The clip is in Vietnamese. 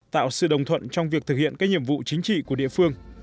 tạo sự đồng thuận trong việc thực hiện các nhiệm vụ chính trị của địa phương